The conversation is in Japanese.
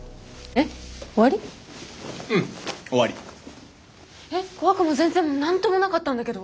えっ怖くも全然何ともなかったんだけど。